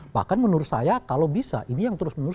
bahkan menurut saya kalau bisa ini yang terus menerus